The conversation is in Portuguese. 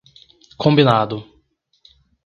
Combinado